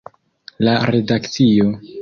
La redakcio.